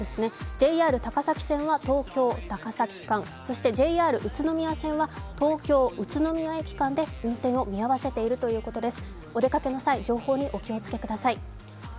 ＪＲ高崎線は東京−高崎間、ＪＲ宇都宮線は東京−宇都宮間で運転を見合わせているということです。